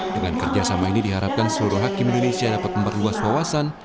dengan kerjasama ini diharapkan seluruh hakim indonesia dapat memperluas wawasan